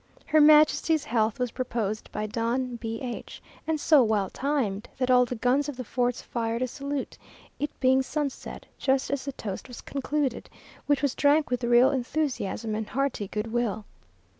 Her Majesty's health was proposed by Don B o H a, and so well timed, that all the guns of the forts fired a salute, it being sunset, just as the toast was concluded, which was drank with real enthusiasm and hearty goodwill.